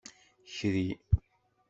Kri.